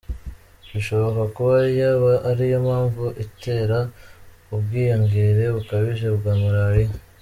Bishoboka kuba yaba ariyo mpamvu itera ubwiyongere bukabije bwa malariya.